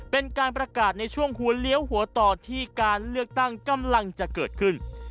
เป็นการประกาศในช่วงหัวเลี้ยวหัวต่อที่การเลือกตั้งกำลังจะเกิดขึ้น